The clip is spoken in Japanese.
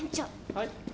はい？